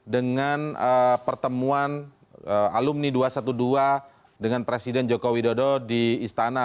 dengan pertemuan alumni dua ratus dua belas dengan presiden joko widodo di istana